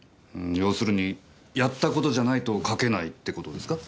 要するにやった事じゃないと書けないって事ですか？